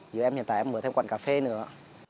giờ em hiện tại em mở thêm quận cà phê nữa